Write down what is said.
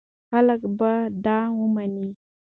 خلک به دا ومني.